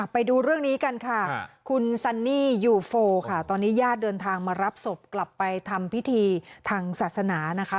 ไปดูเรื่องนี้กันค่ะคุณซันนี่ยูโฟค่ะตอนนี้ญาติเดินทางมารับศพกลับไปทำพิธีทางศาสนานะคะ